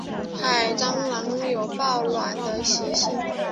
海蟑螂有抱卵的习性。